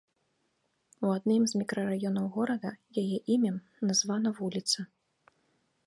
У адным з мікрараёнаў горада яе імем названа вуліца.